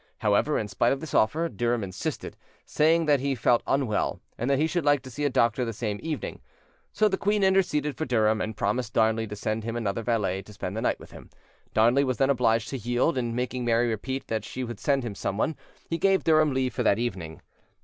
However, in spite of this offer, Durham insisted, saying that he felt unwell, and that he should like to see a doctor the same evening. So the queen interceded for Durham, and promised Darnley to send him another valet to spend the night with him: Darnley was then obliged to yield, and, making Mary repeat that she would send him someone, he gave Durham leave for that evening.